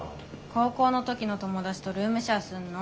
高校の時の友達とルームシェアすんの。